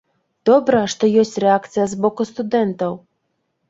Добра, што ёсць рэакцыя з боку студэнтаў.